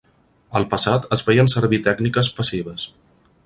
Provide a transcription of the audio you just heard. Al passat es feien servir tècniques passives.